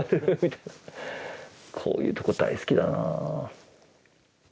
こういうとこ大好きだなあ。